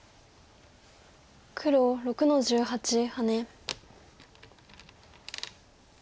黒６の十八ハネ。